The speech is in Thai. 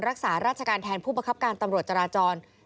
รักษาราชการแทนผู้บังคับการตำรวจจราจร